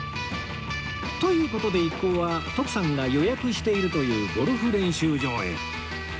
という事で一行は徳さんが予約しているというゴルフ練習場へ